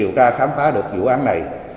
điều tra khám phá được vụ án này